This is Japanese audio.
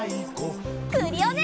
クリオネ！